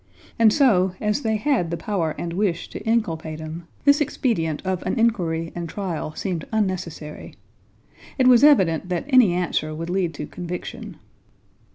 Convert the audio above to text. And so, as they had the power and wish to inculpate him, this expedient of an inquiry and trial seemed unnecessary. It was evident that any answer would lead to conviction.